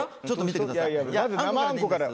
ちょっと見てください。